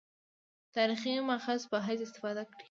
تاریخي مأخذ په حیث استفاده کړې.